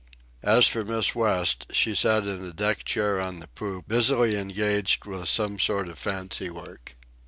As for Miss West, she sat in a deck chair on the poop busily engaged with some sort of fancy work.